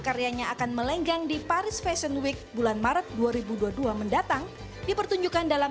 karyanya akan melenggang di paris fashion week bulan maret dua ribu dua puluh dua mendatang dipertunjukkan dalam